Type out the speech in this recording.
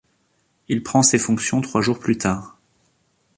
Il prend ses fonctions trois jours plus tard.